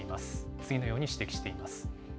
次のように指摘しています。